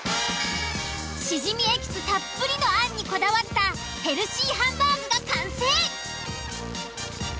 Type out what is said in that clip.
シジミエキスたっぷりのあんにこだわったヘルシーハンバーグが完成！